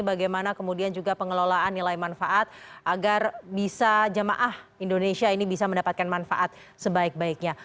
bagaimana kemudian juga pengelolaan nilai manfaat agar bisa jemaah indonesia ini bisa mendapatkan manfaat sebaik baiknya